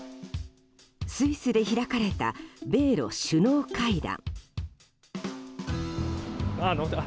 スイスで開かれた米露首脳会談。